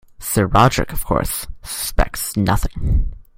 Sir Roderick, of course, suspects nothing.